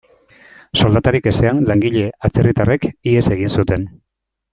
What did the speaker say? Soldatarik ezean, langile atzerritarrek ihes egin zuten.